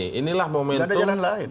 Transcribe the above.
tidak ada jalan lain